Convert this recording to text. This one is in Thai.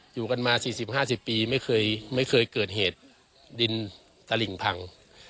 อยู่กันมา๔๐๕๐ปีไม่เคยเกิดเหตุดินตลิ่งพัง